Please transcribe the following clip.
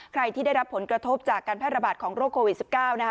ที่ได้รับผลกระทบจากการแพร่ระบาดของโรคโควิด๑๙นะคะ